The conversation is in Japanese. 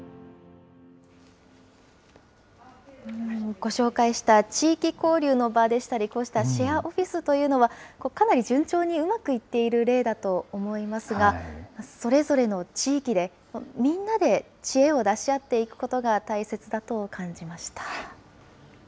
ご紹介した地域交流の場でしたり、こうしたシェアオフィスというのは、かなり順調にうまくいっている例だと思いますが、それぞれの地域で、みんなで知恵を出しあっていくことが大切だと感じました。